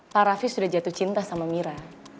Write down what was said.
pak raffi sudah jatuh cinta sama mira